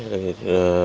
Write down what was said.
đối tượng gây án